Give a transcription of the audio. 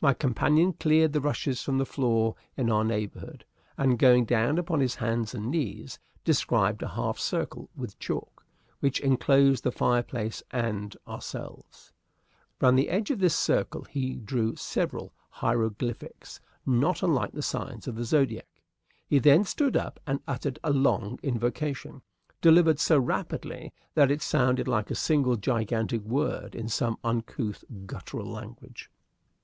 My companion cleared the rushes from the floor in our neighborhood, and going down upon his hands and knees, described a half circle with chalk, which inclosed the fireplace and ourselves. Round the edge of this half circle he drew several hieroglyphics, not unlike the signs of the zodiac. He then stood up and uttered a long invocation, delivered so rapidly that it sounded like a single gigantic word in some uncouth guttural language.